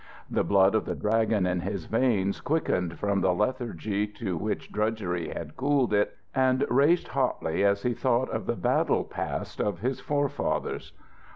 The blood of the Dragon in his veins quickened from the lethargy to which drudgery had cooled it, and raced hotly as he thought of the battle past of his forefathers.